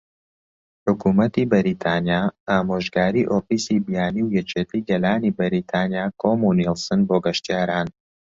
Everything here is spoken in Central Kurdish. حکومەتی بەریتانیا، - ئامۆژگاری ئۆفیسی بیانی و یەکێتی گەلانی بەریتانیا کۆمونیڵس بۆ گەشتیاران